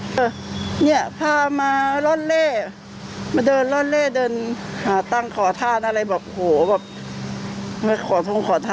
คือเนี่ยพามารอเล่มาเดินรอเล่เดินตั้งขอทานอะไรบ้าง